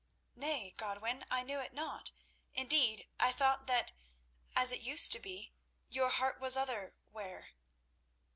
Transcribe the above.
"Nay, Godwin, I knew it not; indeed, I thought that, as it used to be, your heart was other where."